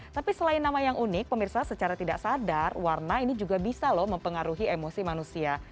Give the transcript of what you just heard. tapi selain nama yang unik pemirsa secara tidak sadar warna ini juga bisa loh mempengaruhi emosi manusia